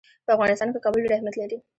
په افغانستان کې کابل ډېر اهمیت لري.